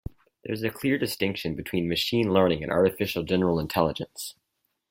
There is a clear distinction between machine learning and artificial general intelligence.